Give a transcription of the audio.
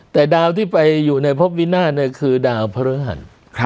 แต่ดาวที่ไปอยู่ในพบวินาศคือดาวพระฤหัส